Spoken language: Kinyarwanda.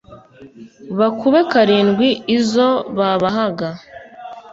bakube karindwi izo babahaga